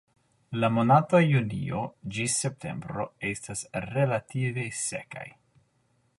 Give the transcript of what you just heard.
La monatoj junio ĝis septembro estas relative sekaj.